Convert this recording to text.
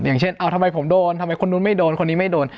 อย่างเช่นทำไมผมโดนทำไมคนนู้นไม่โดนคนนี้ไม่โดน